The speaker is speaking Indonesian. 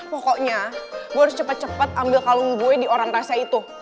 gue harus cepet dua ambil kalung gue di orang rasa itu